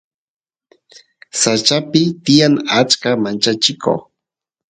sachapi tiyan achka manchachiko